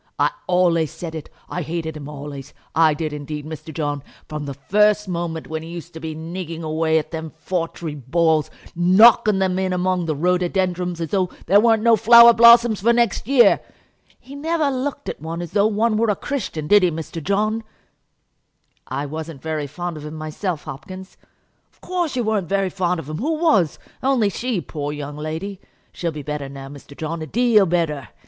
I ollays said it. I hated him ollays; I did indeed, Mr. John, from the first moment when he used to be nigging away at them foutry balls, knocking them in among the rhododendrons, as though there weren't no flower blossoms for next year. He never looked at one as though one were a Christian; did he, Mr. John?" "I wasn't very fond of him myself, Hopkins." "Of course you weren't very fond of him. Who was? only she, poor young lady. She'll be better now, Mr. John, a deal better.